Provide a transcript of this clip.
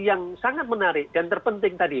yang sangat menarik dan terpenting tadi